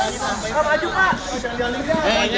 jangan maju jangan maju